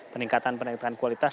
peningkatan peningkatan kualitas